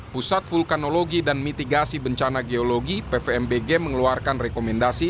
pusat vulkanologi dan mitigasi bencana geologi pvmbg mengeluarkan rekomendasi